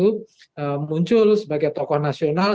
muncul sebagai tokoh nasional muncul sebagai tokoh nasional